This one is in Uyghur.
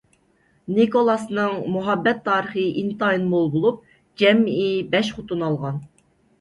نىكولاسنىڭ مۇھەببەت تارىخى ئىنتايىن مول بولۇپ، جەمئىي بەش خوتۇن ئالغان.